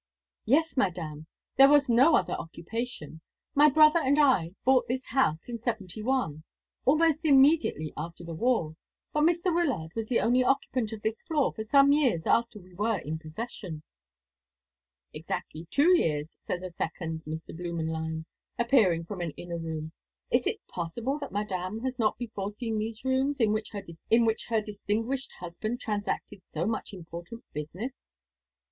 "Yes, Madame, there was no other occupation. My brother and I bought this house in 'seventy one, almost immediately after the war; but Mr. Wyllard was the occupant of this floor for some years after we were in possession." "Exactly two years," said a second Mr. Blümenlein, appearing from an inner room. "Is it possible that Madame has not before seen these rooms, in which her distinguished husband transacted so much important business?"